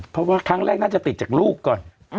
เพราะว่าครั้งแรกน่าจะติดจากลูกก่อน